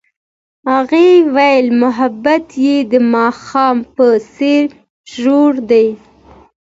هغې وویل محبت یې د ماښام په څېر ژور دی.